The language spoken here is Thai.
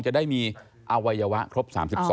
จะได้มีอวัยวะครบ๓๒